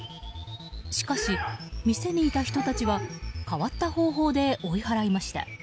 しかし、店にいた人たちは変わった方法で追い払いました。